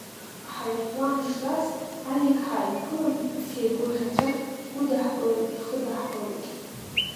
Аҳаирплан штәаз, Алик ҳааиԥылан ҳиеигәырӷьаҵәа дгәыдаҳкылеит, дхыдаҳкылеит.